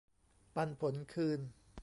ปันผลคืน